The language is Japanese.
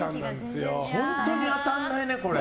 本当に当たんないね、これ。